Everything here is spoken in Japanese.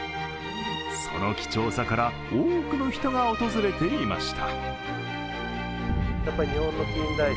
その貴重さから多くの人が訪れていました。